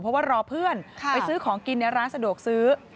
เพราะว่ารอเพื่อนไปซื้อของกินในร้านสะดวกซื้อ